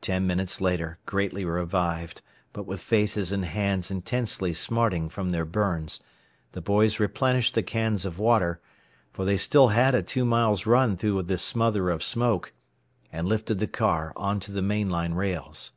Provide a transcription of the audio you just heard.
Ten minutes later, greatly revived, but with faces and hands intensely smarting from their burns, the boys replenished the cans of water for they still had a two miles' run through the smother of smoke and lifted the car onto the main line rails.